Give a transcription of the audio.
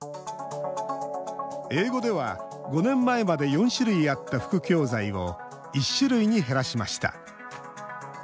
英語では、５年前まで４種類あった副教材を１種類に減らしました。